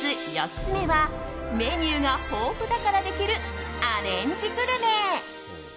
４つ目はメニューが豊富だからできるアレンジグルメ。